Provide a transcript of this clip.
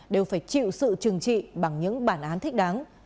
đều phải chịu sự trừng trị bằng những bản án thích đáng